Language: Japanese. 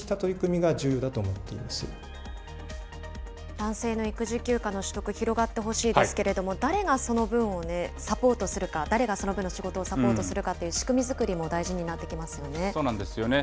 男性の育児休暇の取得、広がってほしいですけれども、誰がその分をサポートするか、誰がその分の仕事をサポートするかという仕組み作りも大事になっそうなんですよね。